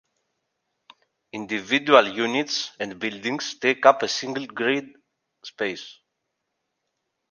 Individual units and buildings take up a single grid space.